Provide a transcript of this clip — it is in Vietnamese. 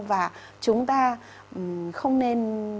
và chúng ta không nên